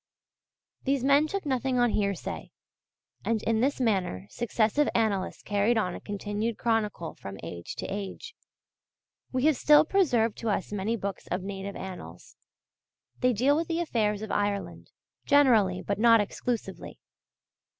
These men took nothing on hearsay: and in this manner successive annalists carried on a continued chronicle from age to age. We have still preserved to us many books of native Annals. They deal with the affairs of Ireland generally but not exclusively.